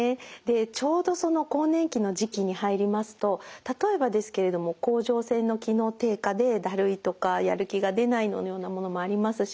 ちょうど更年期の時期に入りますと例えばですけれども甲状腺の機能低下でだるいとかやる気が出ないのようなものもありますし